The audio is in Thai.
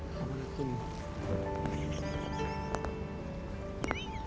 ขอบคุณครับ